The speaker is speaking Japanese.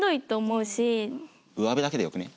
うわべだけでよくね。